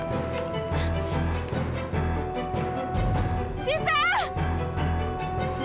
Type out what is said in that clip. tidak sita tidak